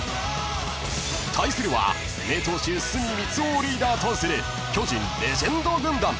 ［対するは名投手角盈男をリーダーとする巨人レジェンド軍団］